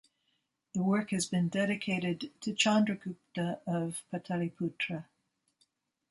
The work has been dedicated to Chandragupta of Pataliputra.